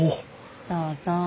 どうぞ。